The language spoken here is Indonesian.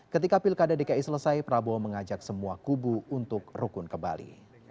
ketika pilkada dki selesai prabowo mengajak semua kubu untuk rukun ke bali